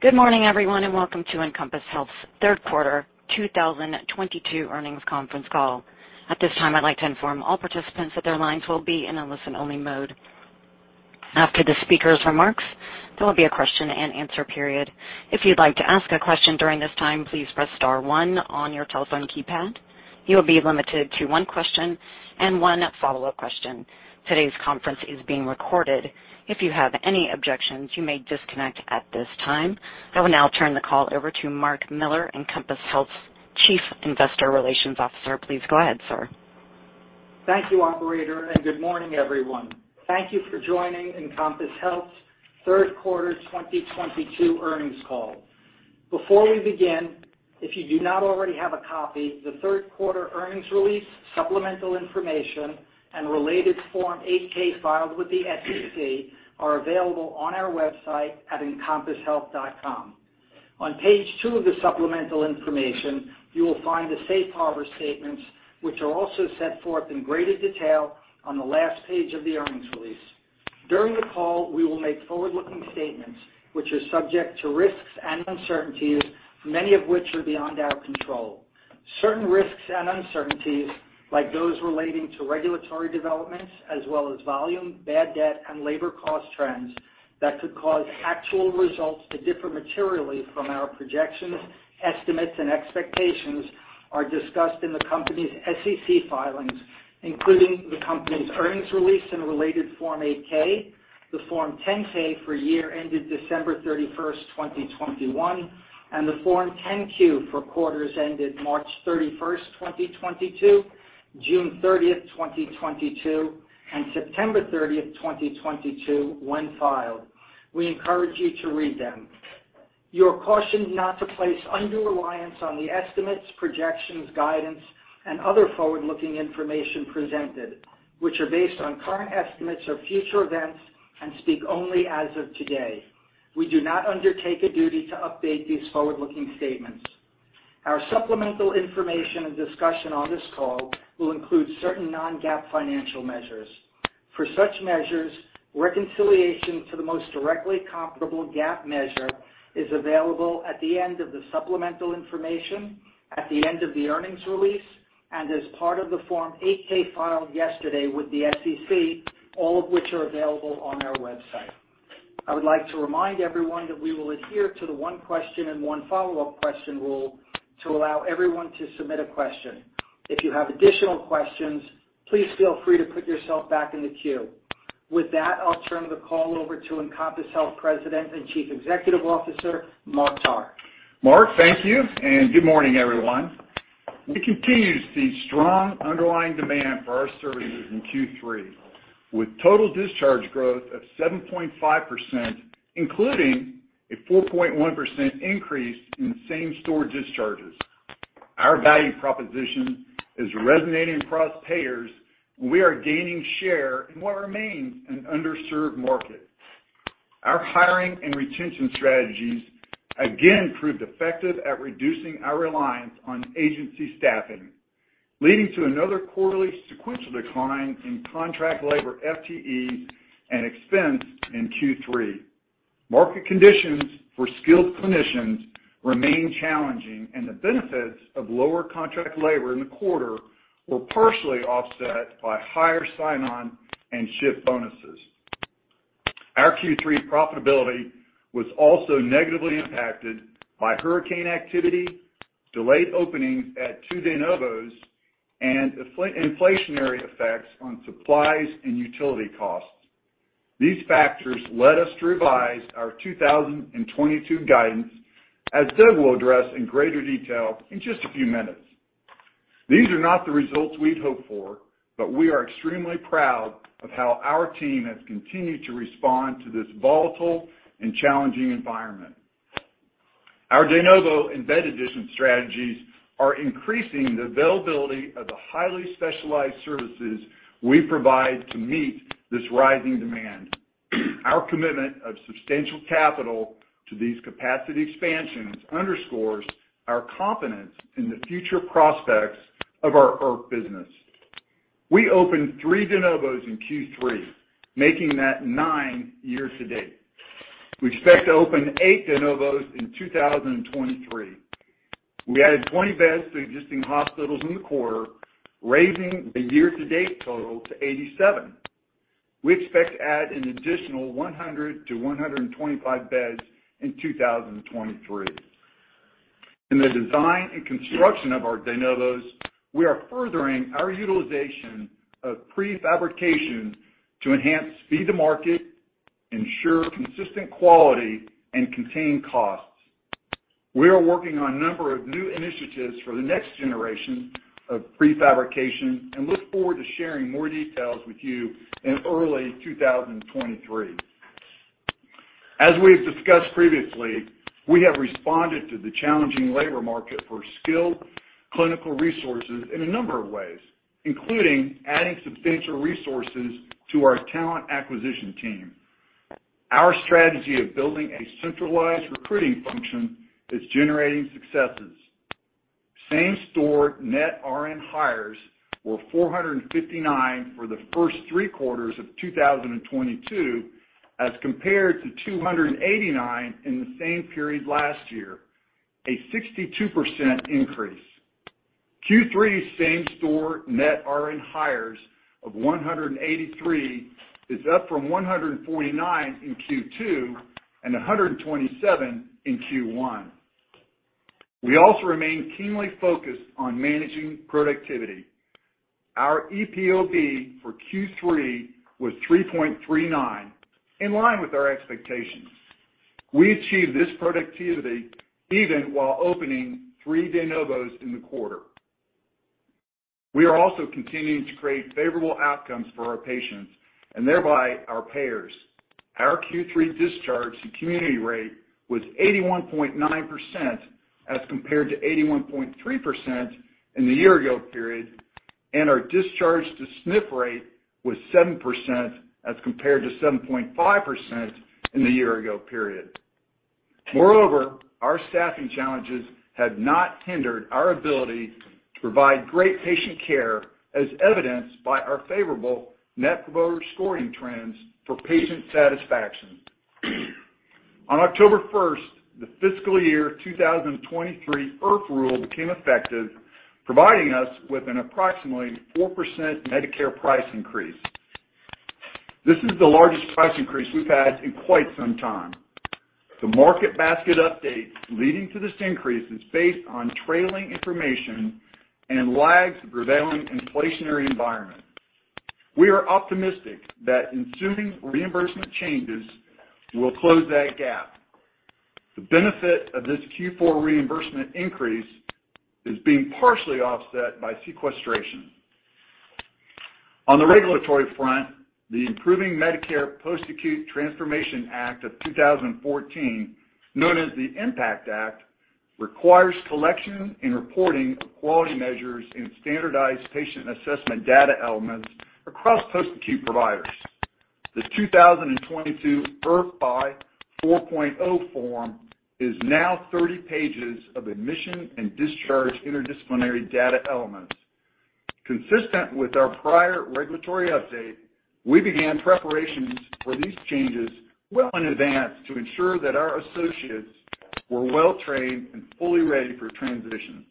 Good morning, everyone, and Welcome to Encompass Health's Third Quarter 2022 Earnings Conference Call. At this time, I'd like to inform all participants that their lines will be in a listen-only mode. After the speaker's remarks, there will be a question-and-answer period. If you'd like to ask a question during this time, please press star one on your telephone keypad. You'll be limited to one question and one follow-up question. Today's conference is being recorded. If you have any objections, you may disconnect at this time. I will now turn the call over to Mark Miller, Encompass Health's Chief Investor Relations Officer. Please go ahead, sir. Thank you, operator, and good morning, everyone. Thank you for joining Encompass Health's Third-Quarter 2022 Earnings Call. Before we begin, if you do not already have a copy, the third quarter earnings release, supplemental information, and related Form 8-K filed with the SEC are available on our website at encompasshealth.com. On page two of the supplemental information, you will find the safe harbor statements, which are also set forth in greater detail on the last page of the earnings release. During the call, we will make forward-looking statements which are subject to risks and uncertainties, many of which are beyond our control. Certain risks and uncertainties, like those relating to regulatory developments as well as volume, bad debt, and labor cost trends that could cause actual results to differ materially from our projections, estimates, and expectations are discussed in the company's SEC filings, including the company's earnings release and related Form 8-K, the Form 10-K for year ended December 31, 2021, and the Form 10-Q for quarters ended March 31, 2022, June 30, 2022, and September 30, 2022 when filed. We encourage you to read them. You're cautioned not to place undue reliance on the estimates, projections, guidance, and other forward-looking information presented, which are based on current estimates of future events and speak only as of today. We do not undertake a duty to update these forward-looking statements. Our supplemental information and discussion on this call will include certain non-GAAP financial measures. For such measures, reconciliation to the most directly comparable GAAP measure is available at the end of the supplemental information, at the end of the earnings release, and as part of the Form 8-K filed yesterday with the SEC, all of which are available on our website. I would like to remind everyone that we will adhere to the one question and one follow-up question rule to allow everyone to submit a question. If you have additional questions, please feel free to put yourself back in the queue. With that, I'll turn the call over to Encompass Health President and Chief Executive Officer, Mark Tarr. Mark, thank you, and good morning, everyone. We continue to see strong underlying demand for our services in Q3, with total discharge growth of 7.5%, including a 4.1% increase in Same-Store discharges. Our value proposition is resonating across payers. We are gaining share in what remains an underserved market. Our hiring and retention strategies again proved effective at reducing our reliance on agency staffing, leading to another quarterly sequential decline in contract labor FTEs and expense in Q3. Market conditions for skilled clinicians remain challenging, and the benefits of lower contract labor in the quarter were partially offset by higher sign-on and shift bonuses. Our Q3 profitability was also negatively impacted by hurricane activity, delayed openings at two de novos, and inflationary effects on supplies and utility costs. These factors led us to revise our 2022 guidance, as Doug will address in greater detail in just a few minutes. These are not the results we'd hoped for, but we are extremely proud of how our team has continued to respond to this volatile and challenging environment. Our de novo and bed addition strategies are increasing the availability of the highly specialized services we provide to meet this rising demand. Our commitment of substantial capital to these capacity expansions underscores our confidence in the future prospects of our IRF business. We opened three de novos in Q3, making that nine year-to-date. We expect to open eight de novos in 2023. We added 20 beds to existing hospitals in the quarter, raising the year-to-date total to 87. We expect to add an additional 100-125 beds in 2023. In the design and construction of our de novos, we are furthering our utilization of prefabrication to enhance speed to market, ensure consistent quality, and contain costs. We are working on a number of new initiatives for the next generation of prefabrication and look forward to sharing more details with you in early 2023. We've discussed previously, we have responded to the challenging labor market for skilled clinical resources in a number of ways, including adding substantial resources to our talent acquisition team. Our strategy of building a centralized recruiting function is generating successes. Same-Store net RN hires were 459 for the first three quarters of 2022, as compared to 289 in the same period last year, a 62% increase. Q3 Same-Store net RN hires of 183 is up from 149 in Q2 and 127 in Q1. We also remain keenly focused on managing productivity. Our EPOD for Q3 was 3.39, in line with our expectations. We achieved this productivity even while opening three de novos in the quarter. We are also continuing to create favorable outcomes for our patients and thereby our payers. Our Q3 discharge to community rate was 81.9% as compared to 81.3% in the year ago period, and our discharge to SNF rate was 7% as compared to 7.5% in the year ago period. Moreover, our staffing challenges have not hindered our ability to provide great patient care, as evidenced by our favorable net promoter scoring trends for patient satisfaction. On October 1st, the fiscal year 2023 IRF rule became effective, providing us with an approximately 4% Medicare price increase. This is the largest price increase we've had in quite some time. The market basket update leading to this increase is based on trailing information and lags the prevailing inflationary environment. We are optimistic that ensuing reimbursement changes will close that gap. The benefit of this Q4 reimbursement increase is being partially offset by sequestration. On the regulatory front, the Improving Medicare Post-Acute Care Transformation Act of 2014, known as the IMPACT Act, requires collection and reporting of quality measures in standardized patient assessment data elements across post-acute providers. This 2022 IRF-PAI 4.0 form is now 30 pages of admission and discharge interdisciplinary data elements. Consistent with our prior regulatory update, we began preparations for these changes well in advance to ensure that our associates were well-trained and fully ready for transition.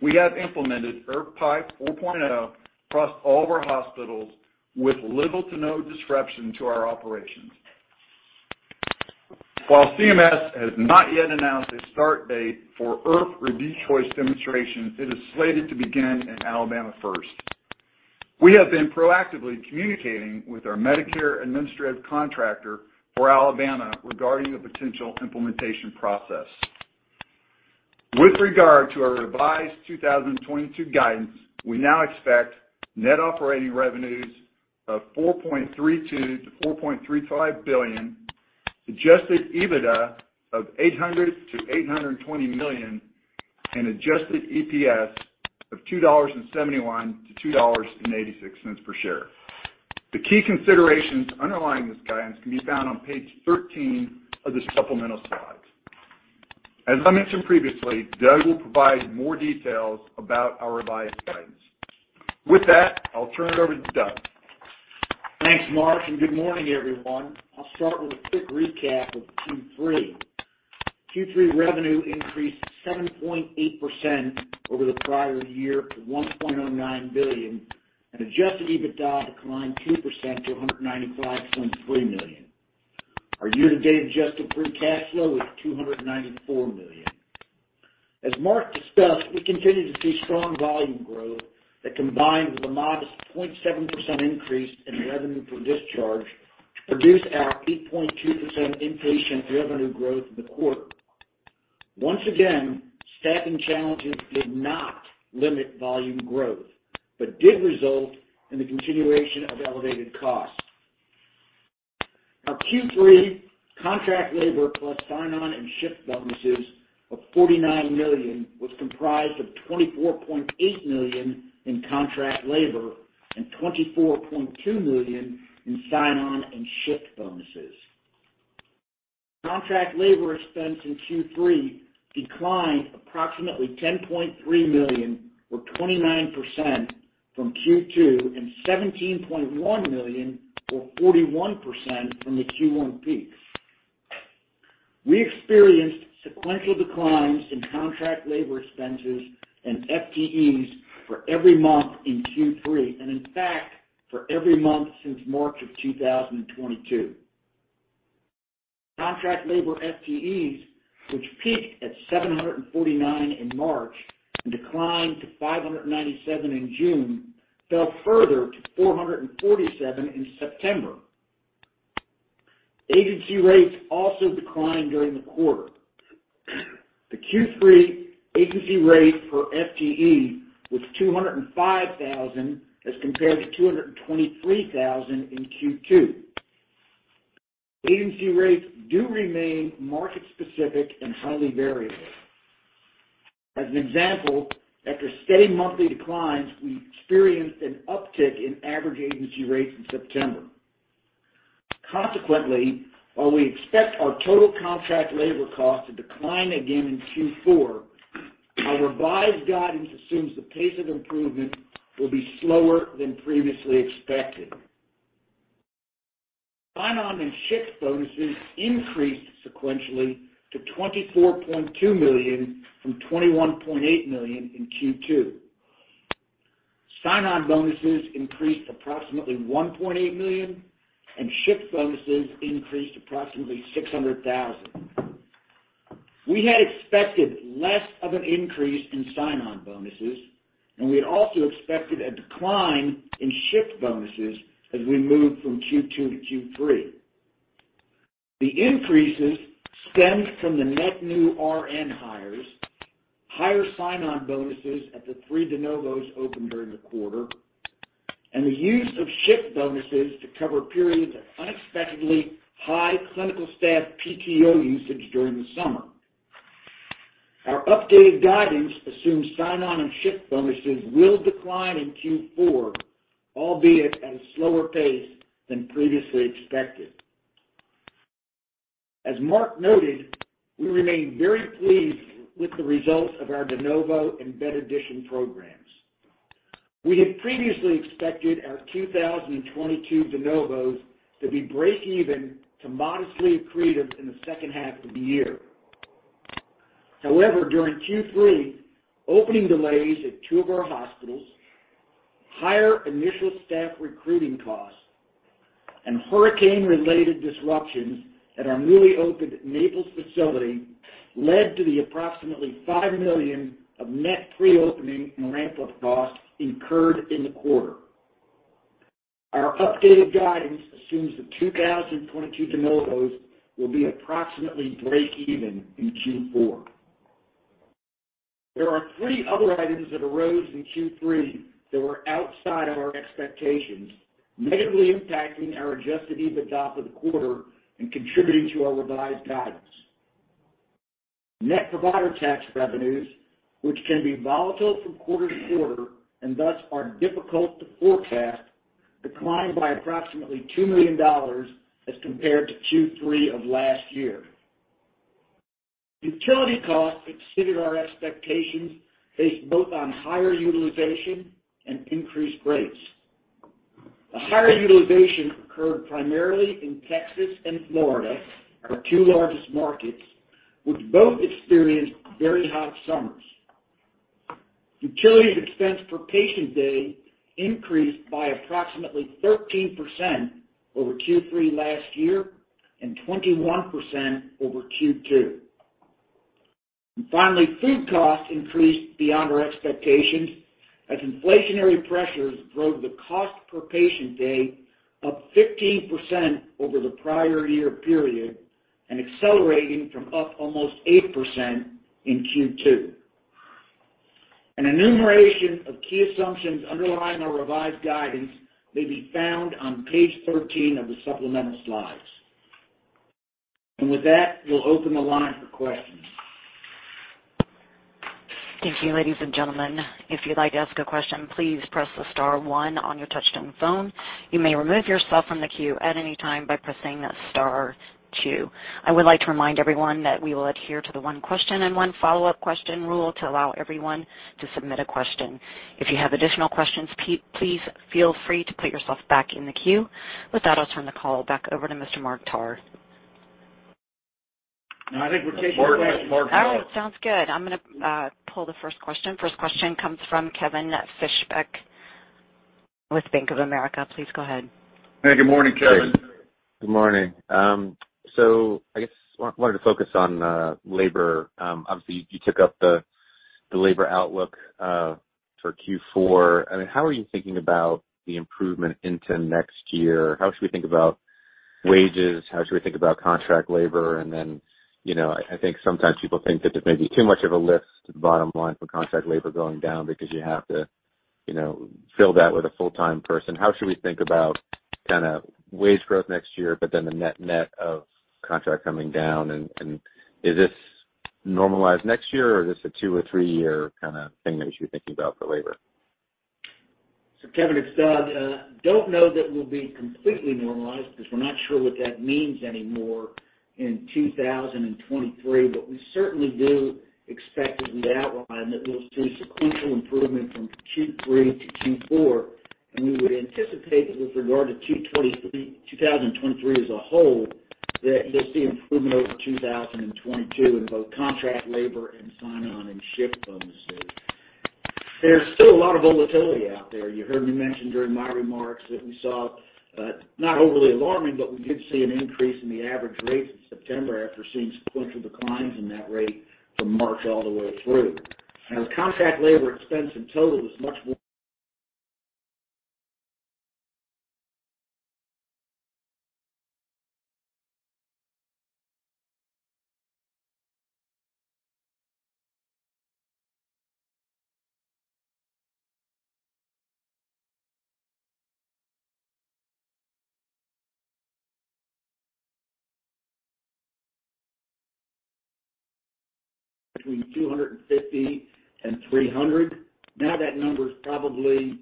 We have implemented IRF-PAI 4.0 across all of our hospitals with little to no disruption to our operations. While CMS has not yet announced a start date for IRF Review Choice Demonstration, it is slated to begin in Alabama first. We have been proactively communicating with our Medicare administrative contractor for Alabama regarding the potential implementation process. With regard to our revised 2022 guidance, we now expect net operating revenues of $4.32 billion-$4.35 billion, adjusted EBITDA of $800 million-$820 million, and adjusted EPS of $2.71-$2.86 per share. The key considerations underlying this guidance can be found on page 13 of the supplemental slides. As I mentioned previously, Doug will provide more details about our revised guidance. With that, I'll turn it over to Doug. Thanks, Mark, and good morning, everyone. I'll start with a quick recap of Q3. Q3 revenue increased 7.8% over the prior year to $1.09 billion, and adjusted EBITDA declined 2% to $195.3 million. Our year-to-date adjusted free cash flow was $294 million. As Mark discussed, we continue to see strong volume growth that combined with a modest 0.7% increase in revenue per discharge produced our 8.2% inpatient revenue growth in the quarter. Once again, staffing challenges did not limit volume growth, but did result in the continuation of elevated costs. Our Q3 contract labor plus sign-on and shift bonuses of $49 million was comprised of $24.8 million in contract labor and $24.2 million in sign-on and shift bonuses. Contract labor expense in Q3 declined approximately $10.3 million or 29% from Q2 and $17.1 million or 41% from the Q1 peak. We experienced sequential declines in contract labor expenses and FTEs for every month in Q3, and in fact, for every month since March of 2022. Contract labor FTEs, which peaked at 749 in March and declined to 597 in June, fell further to 447 in September. Agency rates also declined during the quarter. The Q3 agency rate per FTE was $205,000 as compared to $223,000 in Q2. Agency rates do remain market specific and highly variable. As an example, after steady monthly declines, we experienced an uptick in average agency rates in September. Consequently, while we expect our total contract labor cost to decline again in Q4, our revised guidance assumes the pace of improvement will be slower than previously expected. Sign-on and shift bonuses increased sequentially to $24.2 million from $21.8 million in Q2. Sign-on bonuses increased approximately $1.8 million, and shift bonuses increased approximately $600,000. We had expected less of an increase in sign-on bonuses, and we had also expected a decline in shift bonuses as we moved from Q2 to Q3. The increases stemmed from the net new RN hires, higher sign-on bonuses at the three de novos opened during the quarter, and the use of shift bonuses to cover periods of unexpectedly high clinical staff PTO usage during the summer. Our updated guidance assumes sign-on and shift bonuses will decline in Q4, albeit at a slower pace than previously expected. As Mark noted, we remain very pleased with the results of our de novo and bed addition programs. We had previously expected our 2022 de novos to be breakeven to modestly accretive in the second half of the year. However, during Q3, opening delays at two of our hospitals, higher initial staff recruiting costs, and hurricane-related disruptions at our newly opened Naples facility led to the approximately $5 million of net pre-opening and ramp-up costs incurred in the quarter. Our updated guidance assumes the 2022 de novos will be approximately breakeven in Q4. There are three other items that arose in Q3 that were outside our expectations, negatively impacting our adjusted EBITDA for the quarter and contributing to our revised guidance. Net provider tax revenues, which can be volatile from quarter to quarter and thus are difficult to forecast, declined by approximately $2 million as compared to Q3 of last year. Utility costs exceeded our expectations based both on higher utilization and increased rates. The higher utilization occurred primarily in Texas and Florida, our two largest markets, which both experienced very hot summers. Utility expense per patient day increased by approximately 13% over Q3 last year and 21% over Q2. Finally, food costs increased beyond our expectations as inflationary pressures drove the cost per patient day up 15% over the prior year period and accelerating from up almost 8% in Q2. An enumeration of key assumptions underlying our revised guidance may be found on page 13 of the supplemental slides. With that, we'll open the line for questions. Thank you, ladies and gentlemen. If you'd like to ask a question, please press the star one on your touchtone phone. You may remove yourself from the queue at any time by pressing star two. I would like to remind everyone that we will adhere to the one question and one follow-up question rule to allow everyone to submit a question. If you have additional questions, please feel free to put yourself back in the queue. With that, I'll turn the call back over to Mr. Mark Tarr. No, I think we're taking questions. All right. Sounds good. I'm gonna pull the first question. First question comes from Kevin Fischbeck with Bank of America. Please go ahead. Hey, good morning, Kevin. Good morning. I guess wanted to focus on labor. Obviously you took up the labor outlook for Q4. I mean, how are you thinking about the improvement into next year? How should we think about wages? How should we think about contract labor? And then, you know, I think sometimes people think that there may be too much of a lift to the bottom line for contract labor going down because you have to, you know, fill that with a full-time person. How should we think about kinda wage growth next year, but then the net-net of contract coming down, and is this normalized next year, or is this a two or three-year kinda thing that you're thinking about for labor? Kevin, it's Doug. Don't know that we'll be completely normalized because we're not sure what that means anymore in 2023, but we certainly do expect, as we outlined, that we'll see sequential improvement from Q3 to Q4. We would anticipate that with regard to Q 2023 as a whole, that you'll see improvement over 2022 in both contract labor and sign-on and shift bonuses. There's still a lot of volatility out there. You heard me mention during my remarks that we saw, not overly alarming, but we did see an increase in the average rates in September after seeing sequential declines in that rate from March all the way through. Now, the contract labor expense in total was much more between $250 and $300. Now that number is probably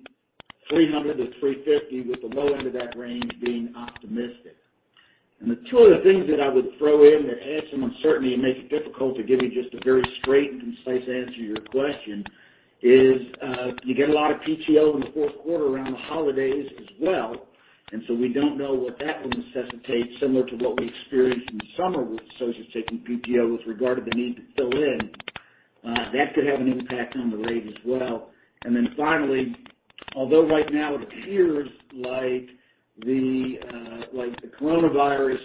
$300-$350, with the low end of that range being optimistic. The two other things that I would throw in that add some uncertainty and make it difficult to give you just a very straight and concise answer to your question is, you get a lot of PTO in the fourth quarter around the holidays as well. We don't know what that will necessitate similar to what we experienced in the summer with social distance PTO with regard to the need to fill in. That could have an impact on the rate as well. Finally, although right now it appears like the coronavirus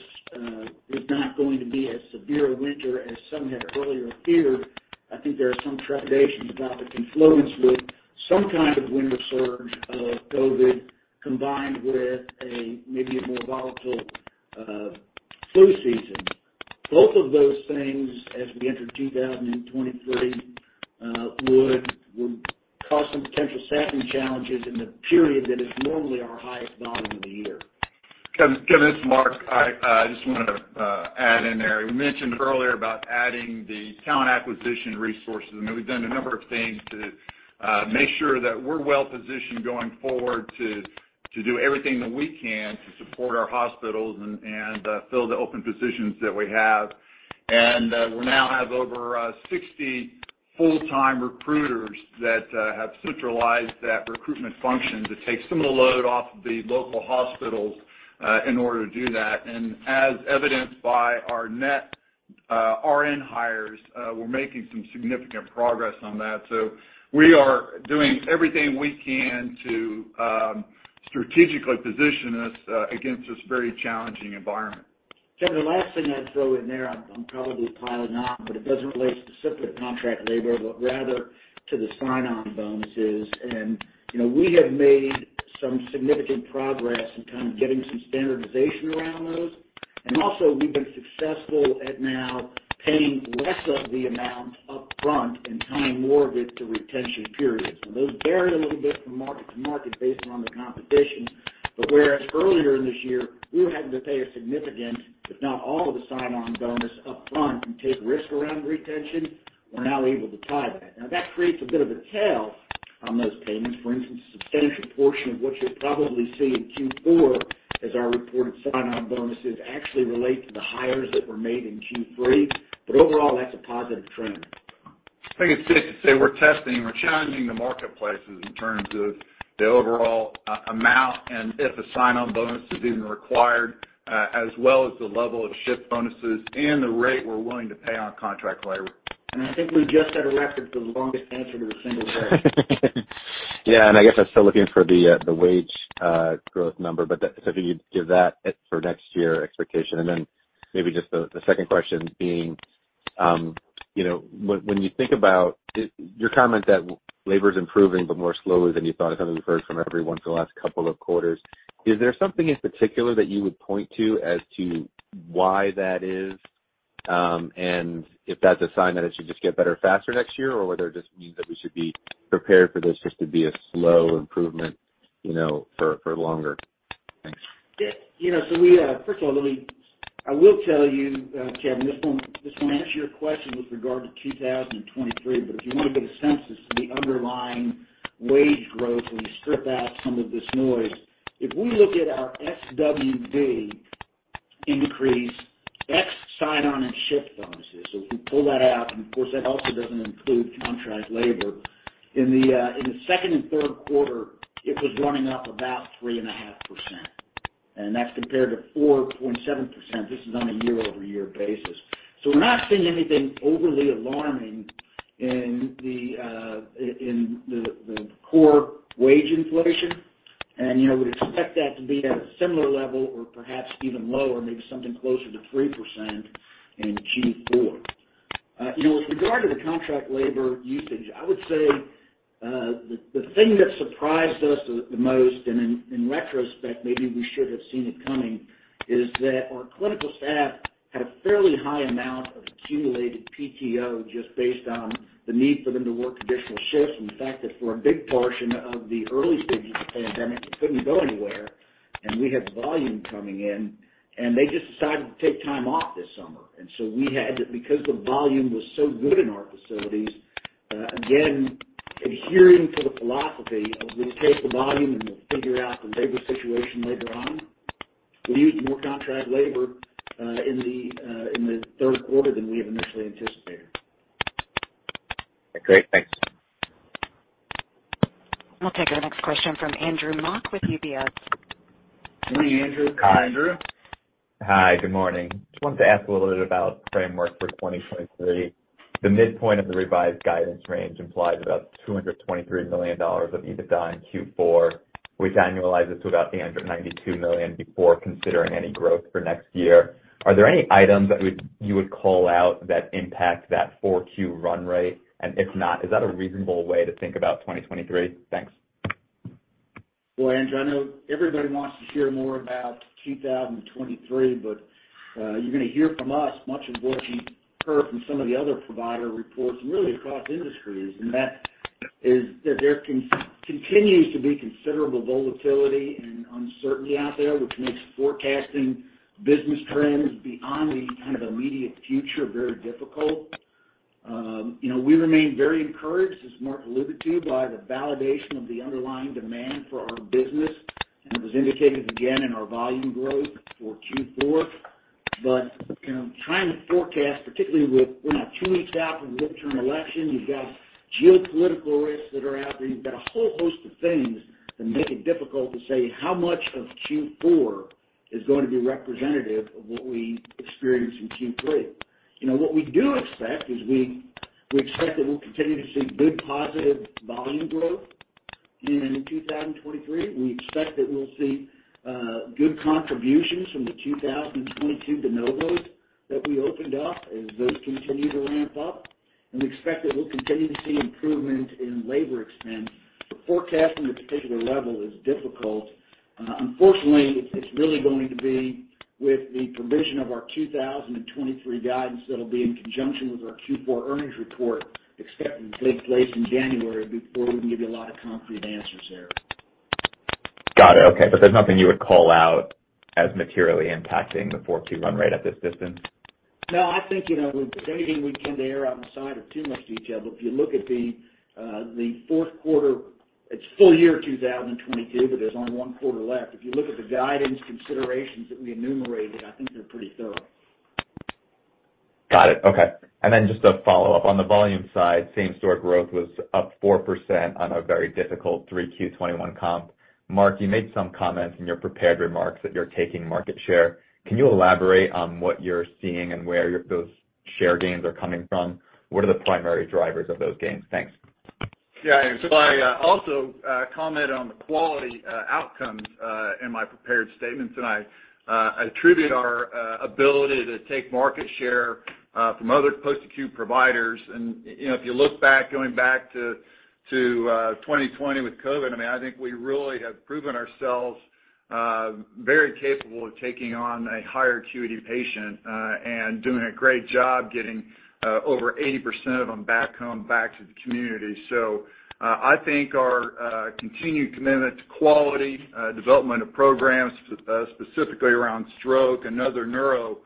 is not going to be as severe a winter as some had earlier feared, I think there are some trepidations about the confluence with some kind of winter surge of COVID combined with maybe a more volatile flu season. Both of those things, as we enter 2023, would cause some potential staffing challenges in the period that is normally our highest volume of the year. Kevin, it's Mark. I just wanna add in there. We mentioned earlier about adding the talent acquisition resources, and we've done a number of things to make sure that we're well positioned going forward to do everything that we can to support our hospitals and fill the open positions that we have. We now have over 60 full-time recruiters that have centralized that recruitment function to take some of the load off of the local hospitals in order to do that. As evidenced by our net RN hires, we're making some significant progress on that. We are doing everything we can to strategically position us against this very challenging environment. Kevin, the last thing I'd throw in there, I'm probably piling on, but it doesn't relate specifically to contract labor, but rather to the sign-on bonuses. You know, we have made some significant progress in kind of getting some standardization around those. Also we've been successful at now paying less of the amount up front and tying more of it to retention periods. Those vary a little bit from market to market based on the competition. Whereas earlier in this year, we were having to pay a significant, if not all of the sign-on bonuses up front and take risk around retention, we're now able to tie that. Now, that creates a bit of a tail on those payments. For instance, a substantial portion of what you'll probably see in Q4 as our reported sign-on bonuses actually relate to the hires that were made in Q3. Overall, that's a positive trend. I think it's safe to say we're testing, we're challenging the marketplaces in terms of the overall, amount and if a sign-on bonus is even required, as well as the level of shift bonuses and the rate we're willing to pay on contract labor. I think we just set a record for the longest answer to a single question. I guess I'm still looking for the wage growth number, but so if you'd give that for next year expectation. Then maybe just the second question being, you know, when you think about it, your comment that labor's improving but more slowly than you thought is something we've heard from everyone for the last couple of quarters. Is there something in particular that you would point to as to why that is? If that's a sign that it should just get better faster next year? Or whether it just means that we should be prepared for this just to be a slow improvement, you know, for longer? Thanks. Yeah. You know, first of all, let me I will tell you, Kevin, this won't answer your question with regard to 2023. If you wanna get a sense as to the underlying wage growth when you strip out some of this noise, if we look at our SWD increase, ex sign-on and shift bonuses, if we pull that out and of course that also doesn't include contract labor. In the second and third quarter, it was running up about 3.5%, and that's compared to 4.7%. This is on a year-over-year basis. We're not seeing anything overly alarming in the core wage inflation. You know, would expect that to be at a similar level or perhaps even lower, maybe something closer to 3% in Q4. You know, with regard to the contract labor usage, I would say, the thing that surprised us the most, and in retrospect, maybe we should have seen it coming, is that our clinical staff had a fairly high amount of accumulated PTO just based on the need for them to work additional shifts. The fact that for a big portion of the early stages of the pandemic, we couldn't go anywhere, and we had volume coming in, and they just decided to take time off this summer. We had to, because the volume was so good in our facilities, again, adhering to the philosophy of we'll take the volume and we'll figure out the labor situation later on. We used more contract labor in the third quarter than we had initially anticipated. Great. Thanks. We'll take our next question from Andrew Mok with UBS. Good morning, Andrew. Hi, Andrew. Hi. Good morning. Just wanted to ask a little bit about framework for 2023. The midpoint of the revised guidance range implies about $223 million of EBITDA in Q4, which annualizes to about $892 million before considering any growth for next year. Are there any items that you would call out that impact that 4Q run rate? If not, is that a reasonable way to think about 2023? Thanks. Well, Andrew, I know everybody wants to hear more about 2023, but you're gonna hear from us much of what you've heard from some of the other provider reports and really across industries. There continues to be considerable volatility and uncertainty out there, which makes forecasting business trends beyond the kind of immediate future very difficult. You know, we remain very encouraged, as Mark alluded to, by the validation of the underlying demand for our business and it was indicated again in our volume growth for Q4. You know, trying to forecast, particularly with, we're now two weeks out from the midterm election, you've got geopolitical risks that are out there. You've got a whole host of things that make it difficult to say how much of Q4 is going to be representative of what we experienced in Q3. You know, what we do expect is we expect that we'll continue to see good positive volume growth in 2023. We expect that we'll see good contributions from the 2022 de novos that we opened up as those continue to ramp up. We expect that we'll continue to see improvement in labor expense. But forecasting the particular level is difficult. Unfortunately, it's really going to be with the provision of our 2023 guidance that'll be in conjunction with our Q4 earnings report expected to take place in January before we can give you a lot of concrete answers there. Got it. Okay. There's nothing you would call out as materially impacting the forward run rate at this distance? No, I think, you know, with anything we tend to err on the side of too much detail. If you look at the fourth quarter, it's full year 2022, but there's only one quarter left. If you look at the guidance considerations that we enumerated, I think they're pretty thorough. Got it. Okay. Just a follow-up. On the volume side, Same-Store growth was up 4% on a very difficult 3Q 2021 comp. Mark, you made some comments in your prepared remarks that you're taking market share. Can you elaborate on what you're seeing and where those share gains are coming from? What are the primary drivers of those gains? Thanks. Yeah. I also comment on the quality outcomes in my prepared statements, and I attribute our ability to take market share from other post-acute providers. You know, if you look back, going back to 2020 with COVID, I mean, I think we really have proven ourselves very capable of taking on a higher acuity patient and doing a great job getting over 80% of them back home, back to the community. I think our continued commitment to quality development of programs, specifically around stroke and other neuro,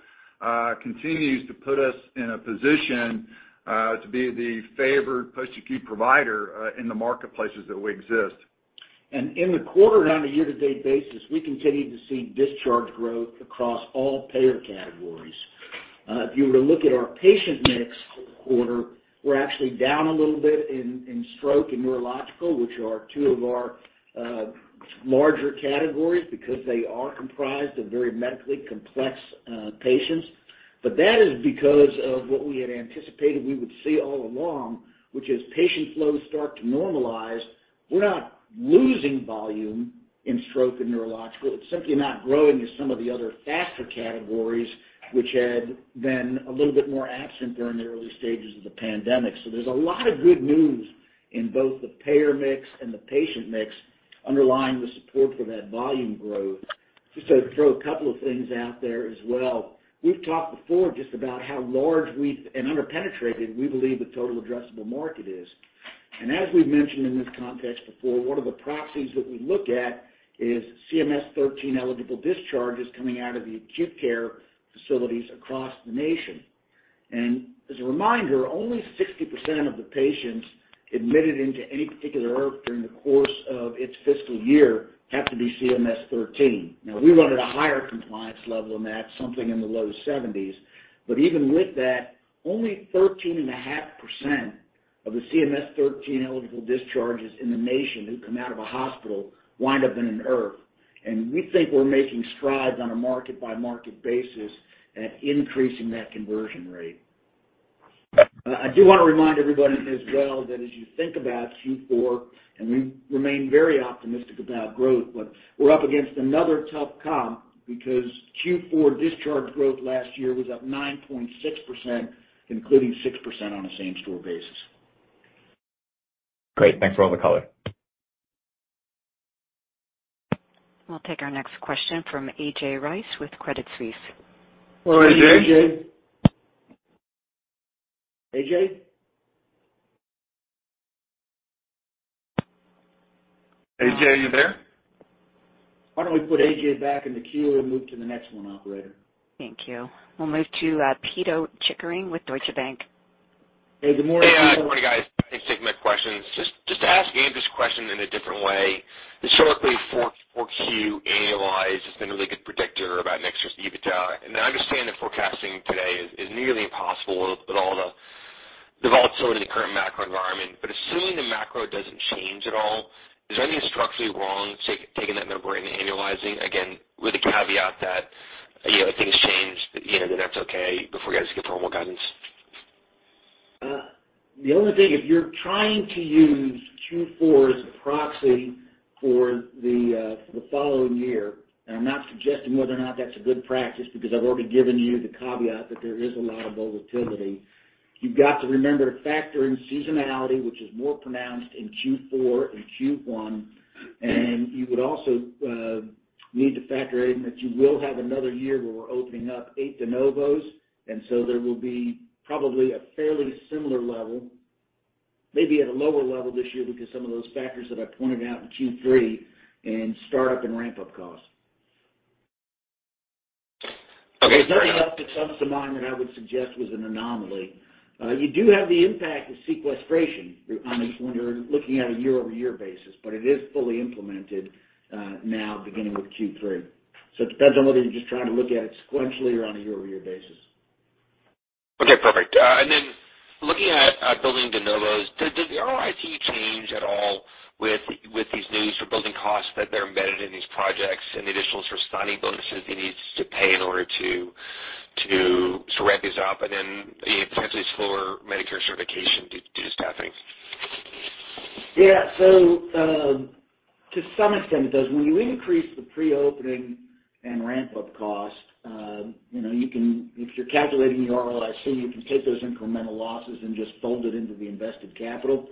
continues to put us in a position to be the favored post-acute provider in the marketplaces that we exist. In the quarter on a year-to-date basis, we continue to see discharge growth across all payer categories. If you were to look at our patient mix for the quarter, we're actually down a little bit in stroke and neurological, which are two of our larger categories because they are comprised of very medically complex patients. That is because of what we had anticipated we would see all along, which is patient flows start to normalize. We're not losing volume in stroke and neurological. It's simply not growing as some of the other faster categories, which had been a little bit more absent during the early stages of the pandemic. There's a lot of good news in both the payer mix and the patient mix underlying the support for that volume growth. Just to throw a couple of things out there as well. We've talked before just about how large and underpenetrated we believe the total addressable market is. As we've mentioned in this context before, one of the proxies that we look at is CMS-13 eligible discharges coming out of the acute care facilities across the nation. As a reminder, only 60% of the patients admitted into any particular IRF during the course of its fiscal year have to be CMS-13. Now, we run at a higher compliance level than that, something in the low 70s. But even with that, only 13.5% of the CMS-13 eligible discharges in the nation who come out of a hospital wind up in an IRF. We think we're making strides on a market by market basis at increasing that conversion rate. I do wanna remind everybody as well that as you think about Q4, and we remain very optimistic about growth, but we're up against another tough comp because Q4 discharge growth last year was up 9.6%, including 6% on a same store basis. Great. Thanks for all the color. We'll take our next question from A.J. Rice with Credit Suisse. Hello, A.J. A.J.? A.J., are you there? Why don't we put A.J. Rice back in the queue and move to the next one, operator? Thank you. We'll move to Pito Chickering with Deutsche Bank. Hey, good morning. Hey, good morning, guys. Thanks for taking my questions. Just to ask Andrew's question in a different way, historically, 4Q AOI has just been a really good predictor about next year's EBITDA. I understand that forecasting today is nearly impossible with all the volatility in the current macro environment. Assuming the macro doesn't change at all, is there any structurally wrong taking that number and annualizing? Again, with the caveat that, you know, if things change, you know, then that's okay before you guys give formal guidance. The only thing, if you're trying to use Q4 as a proxy for the following year, and I'm not suggesting whether or not that's a good practice because I've already given you the caveat that there is a lot of volatility. You've got to remember to factor in seasonality, which is more pronounced in Q4 and Q1. You would also need to factor in that you will have another year where we're opening up eight de novos. There will be probably a fairly similar level, maybe at a lower level this year because some of those factors that I pointed out in Q3 and start-up and ramp-up costs. Okay. There's nothing else that comes to mind that I would suggest was an anomaly. You do have the impact of sequestration on this when you're looking at a year-over-year basis, but it is fully implemented, now beginning with Q3. It depends on whether you're just trying to look at it sequentially or on a year-over-year basis. Okay, perfect. Looking at building de novos, does the ROIC change at all with these new building costs that are embedded in these projects and the additional sort of signing bonuses you need to pay in order to sort of ramp these up and then the potentially slower Medicare certification due to staffing? Yeah. To some extent, it does. When you increase the pre-opening and ramp-up costs, you know, you can if you're calculating your ROIC, you can take those incremental losses and just fold it into the invested capital.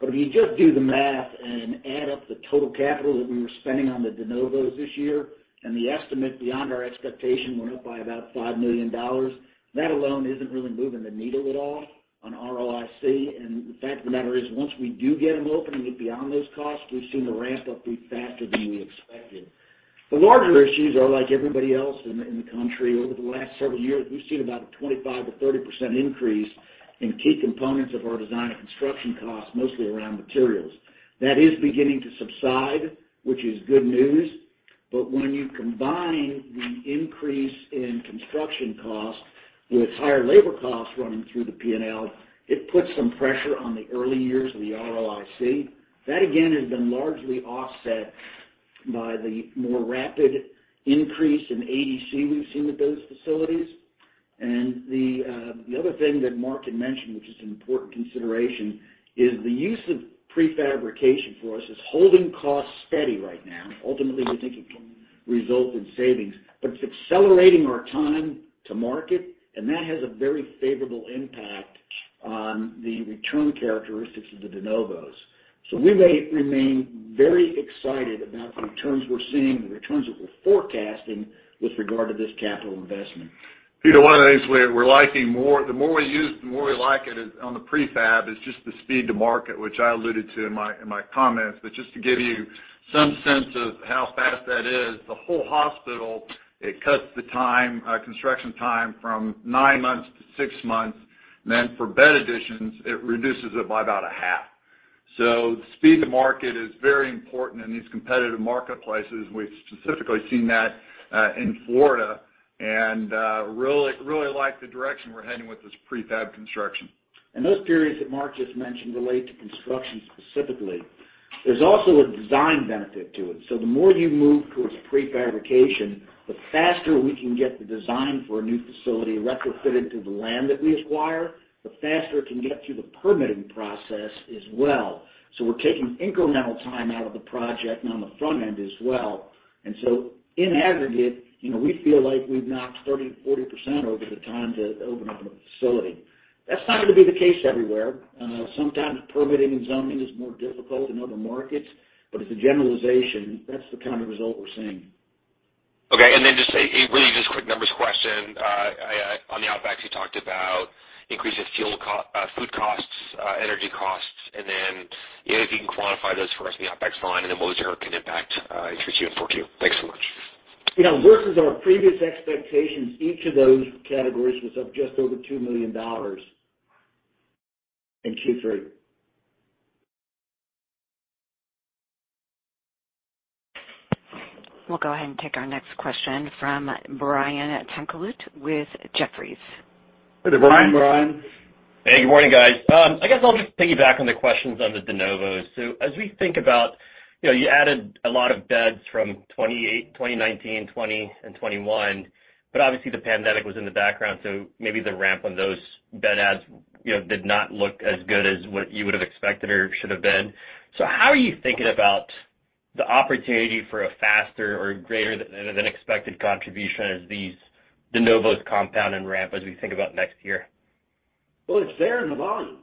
But if you just do the math and add up the total capital that we were spending on the de novos this year, and the estimate beyond our expectation went up by about $5 million, that alone isn't really moving the needle at all on ROIC. The fact of the matter is, once we do get them open and get beyond those costs, we've seen the ramp-up be faster than we expected. The larger issues are like everybody else in the country. Over the last several years, we've seen about a 25%-30% increase in key components of our design and construction costs, mostly around materials. That is beginning to subside, which is good news. When you combine the increase in construction costs with higher labor costs running through the P&L, it puts some pressure on the early years of the ROIC. That, again, has been largely offset by the more rapid increase in ADC we've seen with those facilities. The other thing that Mark had mentioned, which is an important consideration, is the use of prefabrication for us is holding costs steady right now. Ultimately, we think it can result in savings, but it's accelerating our time to market, and that has a very favorable impact on the return characteristics of the de novos. We remain very excited about the returns we're seeing, the returns that we're forecasting with regard to this capital investment. Pito, one of the things we're liking more, the more we use, the more we like it is on the prefab is just the speed to market, which I alluded to in my comments. Just to give you some sense of how fast that is, the whole hospital, it cuts the time, construction time from nine months to six months. For bed additions, it reduces it by about a half. Speed to market is very important in these competitive marketplaces. We've specifically seen that in Florida, and really like the direction we're heading with this prefab construction. Those periods that Mark just mentioned relate to construction specifically. There's also a design benefit to it. The more you move towards prefabrication, the faster we can get the design for a new facility retrofitted to the land that we acquire, the faster it can get through the permitting process as well. We're taking incremental time out of the project and on the front end as well. In aggregate, you know, we feel like we've knocked 30%-40% over the time to open up a facility. That's not going to be the case everywhere. Sometimes permitting and zoning is more difficult in other markets, but as a generalization, that's the kind of result we're seeing. Okay. Just a really quick numbers question. On the OpEx, you talked about increases in food costs, energy costs, and then, you know, if you can quantify those for us in the OpEx line and then what we hear can impact in Q3 and Q4. Thanks so much. You know, vs our previous expectations, each of those categories was up just over $2 million in Q3. We'll go ahead and take our next question from Brian Tanquilut with Jefferies. Good morning, Brian. Good morning. Hey, good morning, guys. I guess I'll just piggyback on the questions on the de novos. As we think about, you know, you added a lot of beds from 2019, 2020, and 2021, but obviously, the pandemic was in the background, so maybe the ramp on those bed adds, you know, did not look as good as what you would have expected or should have been. How are you thinking about the opportunity for a faster or greater than expected contribution as these de novos compound and ramp as we think about next year? Well, it's there in the volume.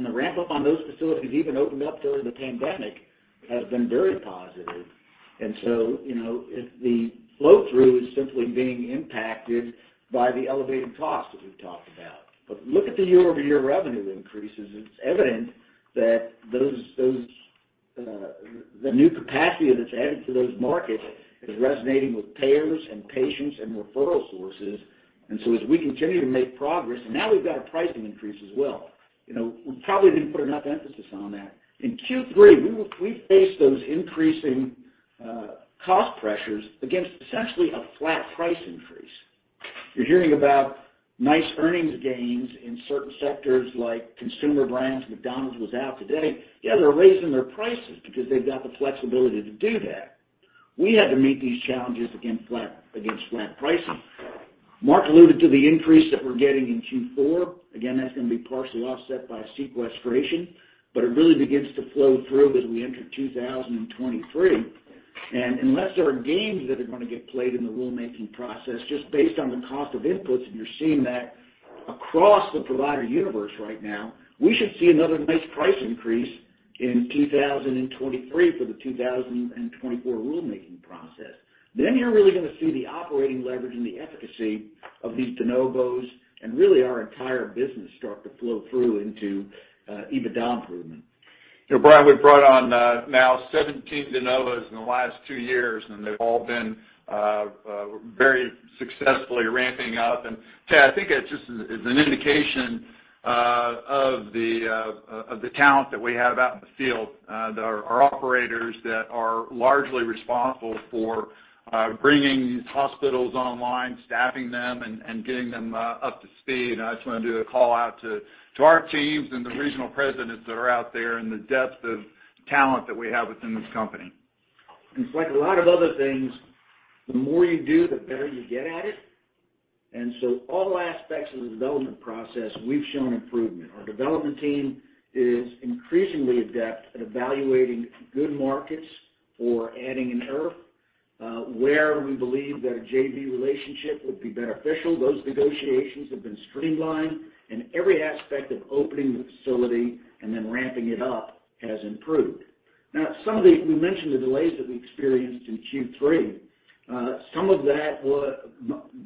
The ramp-up on those facilities even opened up during the pandemic has been very positive. You know, if the flow-through is simply being impacted by the elevated costs that we've talked about. Look at the year-over-year revenue increases. It's evident that the new capacity that's added to those markets is resonating with payers and patients and referral sources. As we continue to make progress, and now we've got a pricing increase as well. You know, we probably didn't put enough emphasis on that. In Q3, we faced those increasing cost pressures against essentially a flat price increase. You're hearing about nice earnings gains in certain sectors like consumer brands. McDonald's was out today. Yeah, they're raising their prices because they've got the flexibility to do that. We had to meet these challenges against flat pricing. Mark alluded to the increase that we're getting in Q4. Again, that's gonna be partially offset by a sequestration, but it really begins to flow through as we enter 2023. Unless there are games that are going to get played in the rulemaking process just based on the cost of inputs, and you're seeing that across the provider universe right now, we should see another nice price increase in 2023 for the 2024 rulemaking process. Then you're really going to see the operating leverage and the efficacy of these de novos and really our entire business start to flow through into EBITDA improvement. You know, Brian, we've brought on now 17 de novos in the last two years, and they've all been very successfully ramping up. Ted, I think it's just, it's an indication of the talent that we have out in the field that are operators that are largely responsible for bringing these hospitals online, staffing them, and getting them up to speed. I just want to do a call out to our teams and the regional presidents that are out there, and the depth of talent that we have within this company. It's like a lot of other things, the more you do, the better you get at it. All aspects of the development process, we've shown improvement. Our development team is increasingly adept at evaluating good markets for adding an IRF. Where we believe that a JV relationship would be beneficial, those negotiations have been streamlined, and every aspect of opening the facility and then ramping it up has improved. Now, we mentioned the delays that we experienced in Q3. Some of that was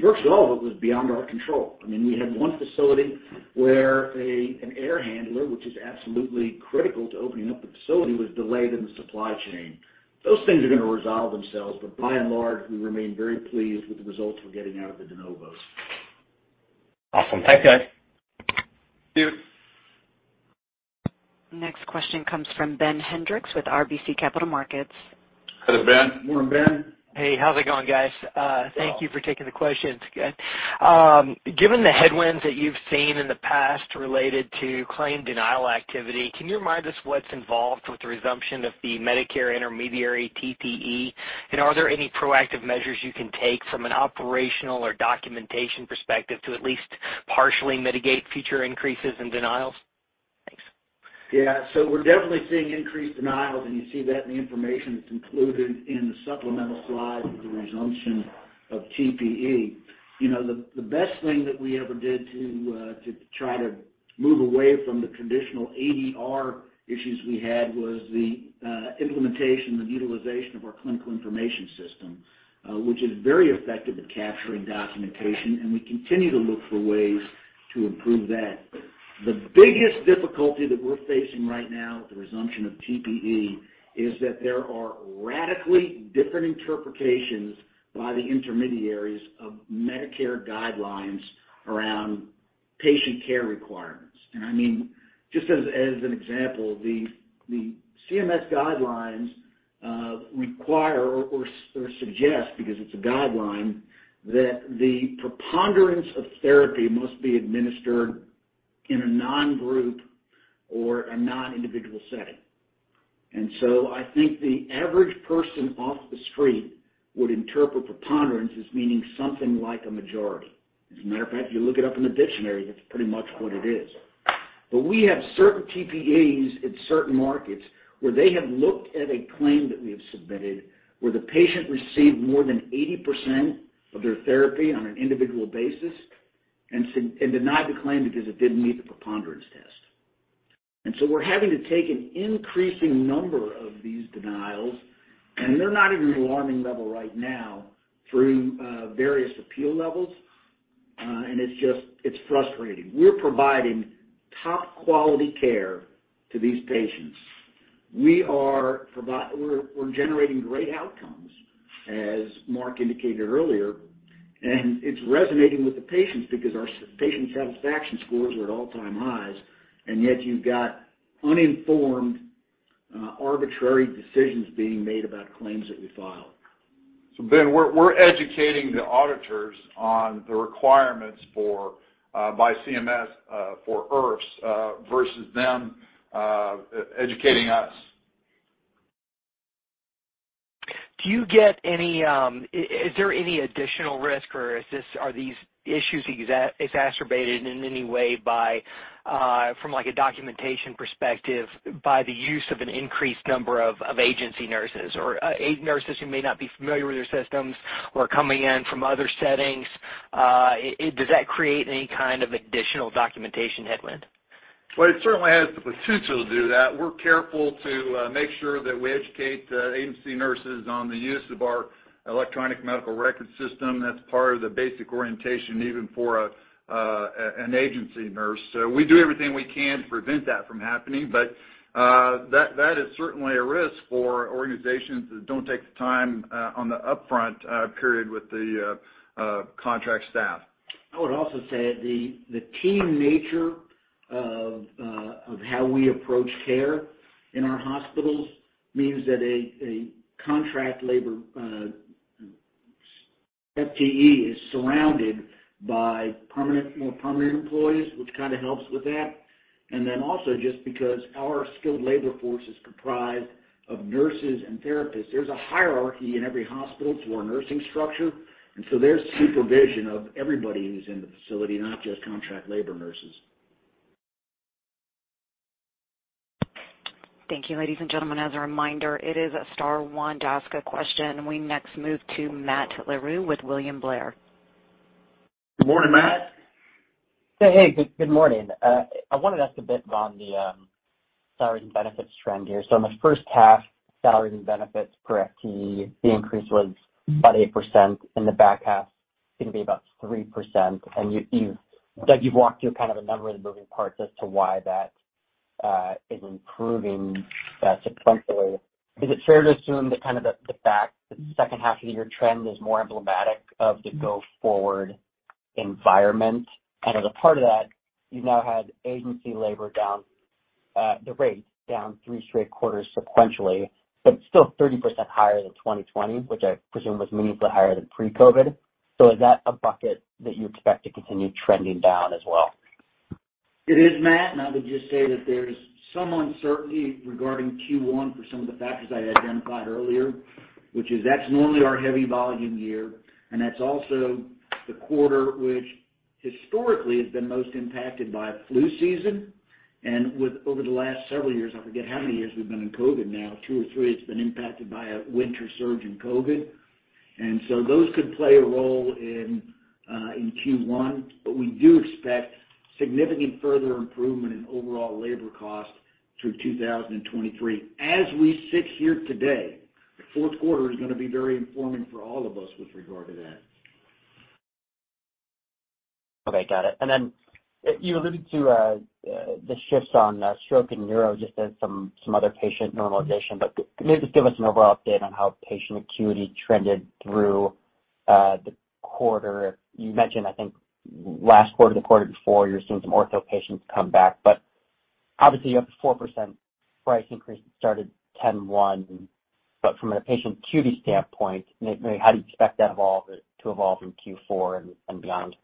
virtually all of it was beyond our control. I mean, we had one facility where an air handler, which is absolutely critical to opening up the facility, was delayed in the supply chain. Those things are going to resolve themselves, but by and large, we remain very pleased with the results we're getting out of the de novos. Awesome. Thanks, guys. See you. Next question comes from Ben Hendrix with RBC Capital Markets. Hello, Ben. Morning, Ben. Hey. How's it going, guys? Well. Thank you for taking the questions. Given the headwinds that you've seen in the past related to claim denial activity, can you remind us what's involved with the resumption of the Medicare intermediary TPE? Are there any proactive measures you can take from an operational or documentation perspective to at least partially mitigate future increases in denials? Thanks. We're definitely seeing increased denials, and you see that in the information that's included in the supplemental slide with the resumption of TPE. You know, the best thing that we ever did to try to move away from the traditional ADR issues we had was the implementation and utilization of our clinical information system, which is very effective at capturing documentation, and we continue to look for ways to improve that. The biggest difficulty that we're facing right now with the resumption of TPE is that there are radically different interpretations by the intermediaries of Medicare guidelines around patient care requirements. I mean, just as an example, the CMS guidelines require or suggest, because it's a guideline, that the preponderance of therapy must be administered in a non-group or a non-individual setting. I think the average person off the street would interpret preponderance as meaning something like a majority. As a matter of fact, if you look it up in the dictionary, that's pretty much what it is. We have certain TPAs in certain markets where they have looked at a claim that we have submitted, where the patient received more than 80% of their therapy on an individual basis and said, and denied the claim because it didn't meet the preponderance test. We're having to take an increasing number of these denials, and they're not at an alarming level right now through various appeal levels. It's just, it's frustrating. We're providing top quality care to these patients. We're generating great outcomes, as Mark indicated earlier, and it's resonating with the patients because our patient satisfaction scores are at all-time highs, and yet you've got uninformed, arbitrary decisions being made about claims that we file. Ben, we're educating the auditors on the requirements by CMS for IRFs vs them educating us. Is there any additional risk or are these issues exacerbated in any way by from like a documentation perspective by the use of an increased number of agency nurses? Aid nurses who may not be familiar with your systems or coming in from other settings. Does that create any kind of additional documentation headwind? Well, it certainly has the potential to do that. We're careful to make sure that we educate the agency nurses on the use of our Electronic Medical Record system. That's part of the basic orientation even for an agency nurse. We do everything we can to prevent that from happening. That is certainly a risk for organizations that don't take the time on the upfront period with the contract staff. I would also say the team nature of how we approach care in our hospitals means that a contract labor FTE is surrounded by permanent, more permanent employees, which kind of helps with that. Also just because our skilled labor force is comprised of nurses and therapists. There's a hierarchy in every hospital to our nursing structure, and so there's supervision of everybody who's in the facility, not just contract labor nurses. Thank you, ladies and gentlemen. As a reminder, it is star one to ask a question. We next move to Matt Gillmore with William Blair. Good morning, Matt. Hey, good morning. I wanted to ask a bit on the salary and benefits trend here. In the first half, salaries and benefits per FTE, the increase was about 8%. In the back half, it's gonna be about 3%. Doug, you've walked through kind of a number of the moving parts as to why that is improving sequentially. Is it fair to assume that kind of the second half of the year trend is more emblematic of the go-forward environment? As a part of that, you've now had agency labor down, the rate down 3 straight quarters sequentially, but still 30% higher than 2020, which I presume was meaningfully higher than pre-COVID. Is that a bucket that you expect to continue trending down as well? It is, Matt. I would just say that there's some uncertainty regarding Q1 for some of the factors I identified earlier, which is, that's normally our heavy volume year. That's also the quarter which historically has been most impacted by flu season. With over the last several years, I forget how many years we've been in COVID now, two or three, it's been impacted by a winter surge in COVID. Those could play a role in Q1, but we do expect significant further improvement in overall labor cost through 2023. As we sit here today, the fourth quarter is gonna be very informing for all of us with regard to that. Okay, got it. You alluded to the shifts on stroke and neuro just as some other patient normalization. Could you just give us an overall update on how patient acuity trended through the quarter? You mentioned, I think last quarter, the quarter before, you were seeing some ortho patients come back, but obviously you have the 4% price increase that started 10/1. From a patient acuity standpoint, how do you expect that to evolve in Q4 and beyond?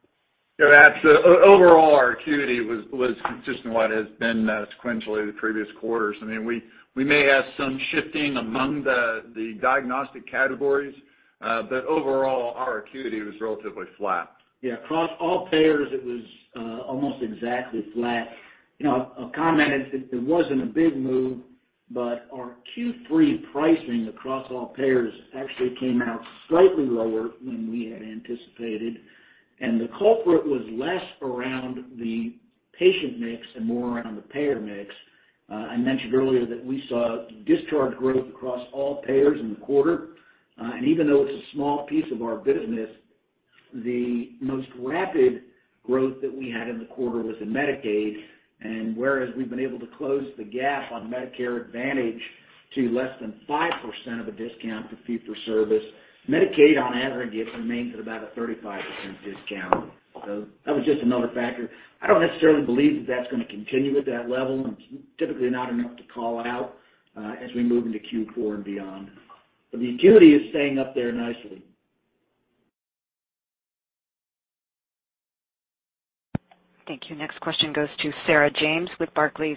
Yeah, Matt, overall, our acuity was consistent with what has been sequentially the previous quarters. I mean, we may have some shifting among the diagnostic categories, but overall our acuity was relatively flat. Yeah, across all payers, it was almost exactly flat. You know, I'll comment it wasn't a big move, but our Q3 pricing across all payers actually came out slightly lower than we had anticipated, and the culprit was less around the patient mix and more around the payer mix. I mentioned earlier that we saw discharge growth across all payers in the quarter. Even though it's a small piece of our business, the most rapid growth that we had in the quarter was in Medicaid. Whereas we've been able to close the gap on Medicare Advantage to less than 5% of a discount for fee for service, Medicaid on average remains at about a 35% discount. That was just another factor. I don't necessarily believe that that's gonna continue at that level, and it's typically not enough to call out, as we move into Q4 and beyond. The acuity is staying up there nicely. Thank you. Next question goes to Sarah James with Barclays.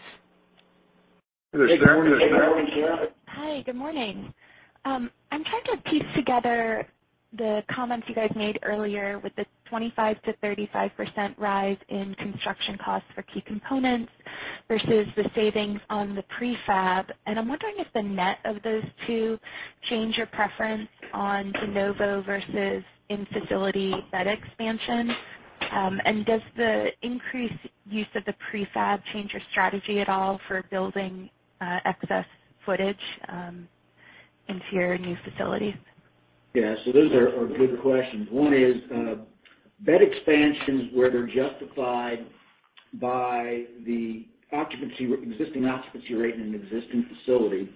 Hey there, Sarah. Good morning, Sarah. Hi. Good morning. I'm trying to piece together the comments you guys made earlier with the 25%-35% rise in construction costs for key components vs the savings on the prefab. I'm wondering if the net of those two change your preference on de novo vs in-facility bed expansion. Does the increased use of the prefab change your strategy at all for building excess footage into your new facilities? Yeah. Those are good questions. One is bed expansions, where they're justified by the occupancy, existing occupancy rate in an existing facility,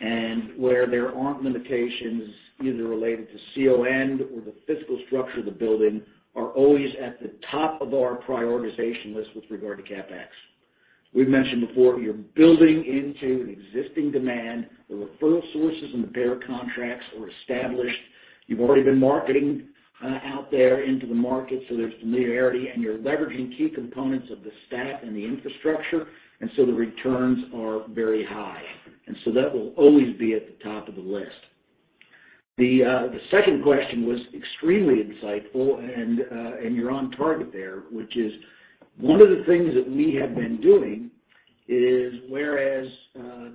and where there aren't limitations either related to CON or the physical structure of the building, are always at the top of our prioritization list with regard to CapEx. We've mentioned before, you're building into existing demand, the referral sources and the payer contracts are established. You've already been marketing out there into the market, so there's familiarity, and you're leveraging key components of the staff and the infrastructure, and so the returns are very high. That will always be at the top of the list. The second question was extremely insightful and you're on target there, which is one of the things that we have been doing is whereas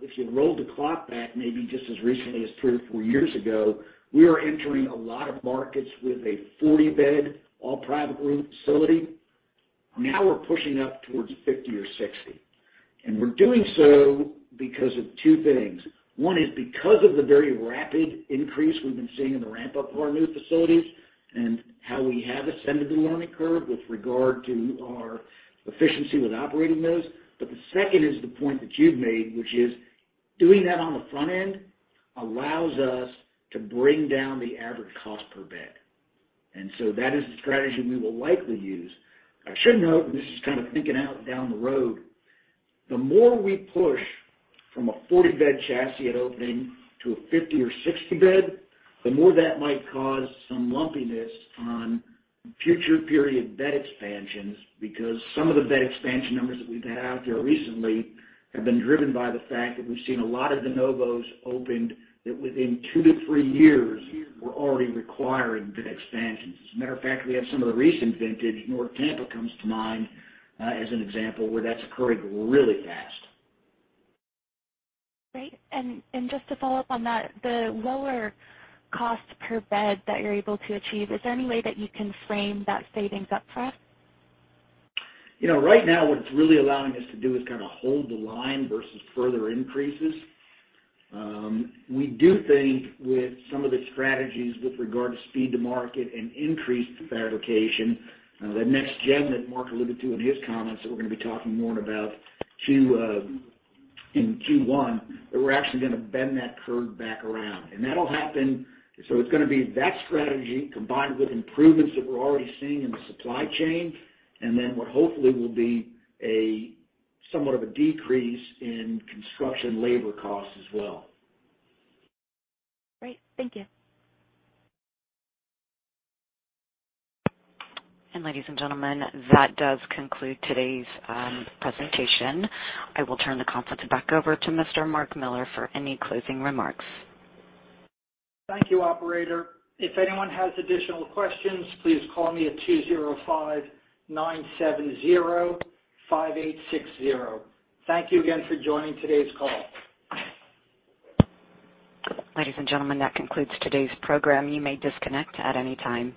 if you roll the clock back maybe just as recently as three or four years ago, we were entering a lot of markets with a 40-bed, all-private room facility. Now we're pushing up towards 50 or 60. We're doing so because of two things. One is because of the very rapid increase we've been seeing in the ramp-up of our new facilities and how we have ascended the learning curve with regard to our efficiency with operating those. The second is the point that you've made, which is doing that on the front end allows us to bring down the average cost per bed. That is the strategy we will likely use. I should note, and this is kind of thinking out loud down the road, the more we push from a 40-bed chassis at opening to a 50- or 60-bed, the more that might cause some lumpiness on future period bed expansions, because some of the bed expansion numbers that we've had out there recently have been driven by the fact that we've seen a lot of de novos opened that within two to three years were already requiring bed expansions. As a matter of fact, we have some of the recent vintage, North Tampa comes to mind, as an example where that's occurring really fast. Great. Just to follow up on that, the lower cost per bed that you're able to achieve, is there any way that you can frame that savings up for us? You know, right now, what it's really allowing us to do is kinda hold the line vs further increases. We do think with some of the strategies with regard to speed to market and increased fabrication, that next gen that Mark alluded to in his comments that we're gonna be talking more about, too, in Q1, that we're actually gonna bend that curve back around. That'll happen. So it's gonna be that strategy combined with improvements that we're already seeing in the supply chain, and then what hopefully will be a somewhat of a decrease in construction labor costs as well. Great. Thank you. Ladies and gentlemen, that does conclude today's presentation. I will turn the conference back over to Mr. Mark Miller for any closing remarks. Thank you, operator. If anyone has additional questions, please call me at 205-970-5860. Thank you again for joining today's call. Ladies and gentlemen, that concludes today's program. You may disconnect at any time.